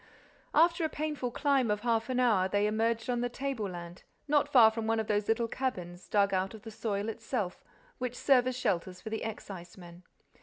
After a painful climb of half an hour, they emerged on the tableland, not far from one of those little cabins, dug out of the soil itself, which serve as shelters for the excisemen.